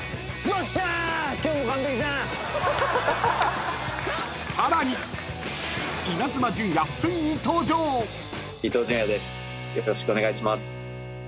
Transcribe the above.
よろしくお願いします。